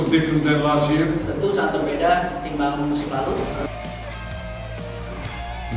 tentu sangat berbeda dibanding musim lalu